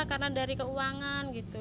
karena dari keuangan gitu